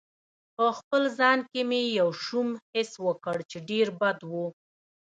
په خپل ځان کې مې یو شوم حس وکړ چې ډېر بد و.